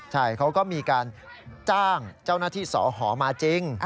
ใช่เขาก็มีการจ้างเจ้าหน้าที่สอหอมาจริง